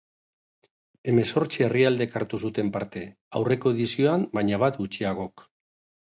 Hemezortzi herrialdek hartu zuten parte, aurreko edizioan baina bat gutxiagok.